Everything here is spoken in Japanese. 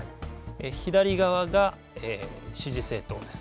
左側が支持政党です。